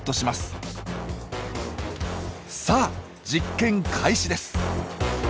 さあ実験開始です！